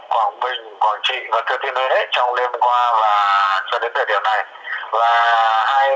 quảng bình quảng trị và thừa thiên huyết trong liên qua và cho đến thời điểm này